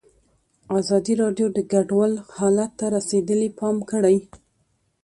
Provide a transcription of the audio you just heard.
ازادي راډیو د کډوال حالت ته رسېدلي پام کړی.